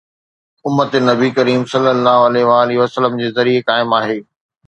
امت نبي ڪريم ﷺ جي ذريعي قائم آهي.